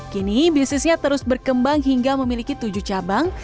kini bisnisnya terus berkembang hingga memiliki tujuh cabang